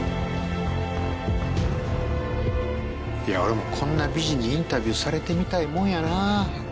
いや俺もこんな美人にインタビューされてみたいもんやな。